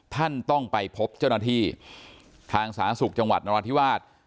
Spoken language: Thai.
ท่านต้องไปพบเจ้าหน้าที่ทางสาธารณสุขจังหวัดนราธิวาส